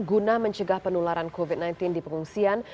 guna mencegah penularan covid sembilan belas di pengungsian